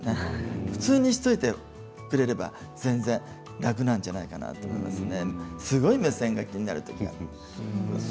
普通にしておいてくれれば楽なんじゃないかなと思いますね。